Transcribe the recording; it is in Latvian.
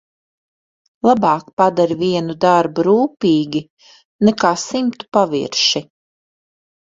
Labāk padari vienu darbu rūpīgi nekā simtu pavirši.